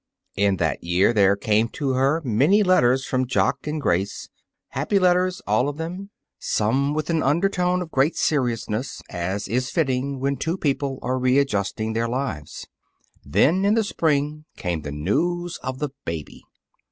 In that year there came to her many letters from Jock and Grace happy letters, all of them, some with an undertone of great seriousness, as is fitting when two people are readjusting their lives. Then, in spring, came the news of the baby.